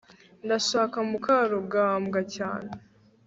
ndashaka mukarugambwa cyane